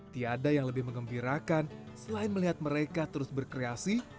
tiada yang lebih mengembirakan selain melihat mereka terus berkreasi